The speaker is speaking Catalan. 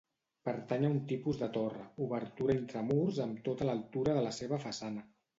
Pertany a un tipus de torre, obertura intramurs amb tota l'altura de la seva façana.